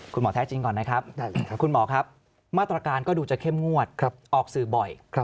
คุณหมอแท้จริงก่อนนะครับมตรการดูจะเข้มงวดออกสื่อบ่อย